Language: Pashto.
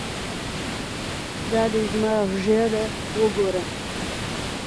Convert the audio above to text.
دا دى زما ږيره وګوره.